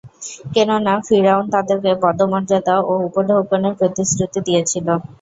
কেননা, ফিরআউন তাদেরকে পদমর্যাদা ও উপঢৌকনের প্রতিশ্রুতি দিয়েছিল।